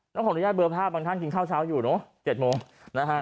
น้องของรุญญาติเบลอภาพบางท่านกินข้าวเช้าอยู่เนาะ๗โมง